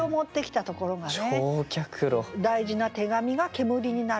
大事な手紙が煙になる。